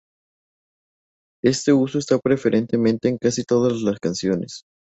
Este uso está preferentemente en casi todas las canciones.